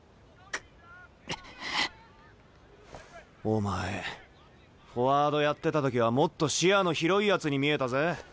お前フォワードやってた時はもっと視野の広いやつに見えたぜ。